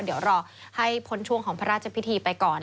เดี๋ยวรอให้พ้นช่วงของพระราชพิธีไปก่อน